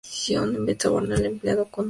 Así Beth soborna al empleado con un beso.